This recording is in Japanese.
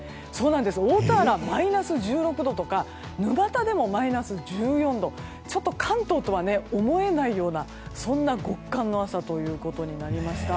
大田原はマイナス１６度とか沼田でもマイナス１４度と関東とは思えないようなそんな極寒の朝ということになりました。